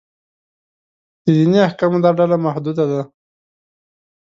د دیني احکامو دا ډله محدود ده.